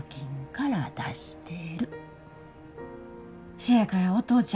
せやからお父ちゃん